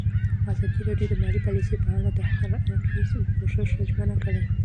ازادي راډیو د مالي پالیسي په اړه د هر اړخیز پوښښ ژمنه کړې.